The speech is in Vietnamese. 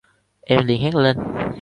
em liền hét lên